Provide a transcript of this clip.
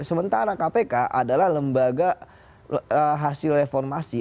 sementara kpk adalah lembaga hasil reformasi